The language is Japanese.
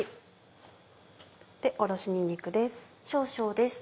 おろしにんにくです。